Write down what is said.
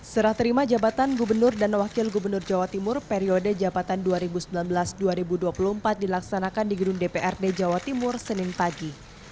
serah terima jabatan gubernur dan wakil gubernur jawa timur periode jabatan dua ribu sembilan belas dua ribu dua puluh empat dilaksanakan di gedung dprd jawa timur senin pagi